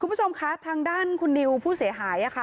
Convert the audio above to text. คุณผู้ชมคะทางด้านคุณนิวผู้เสียหายค่ะ